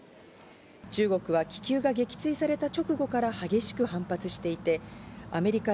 中国は気球が撃墜された直後から激しく反発していて、アメリカへ